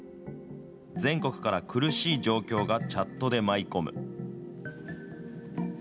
全国から苦しい状況がチャットで舞い込む。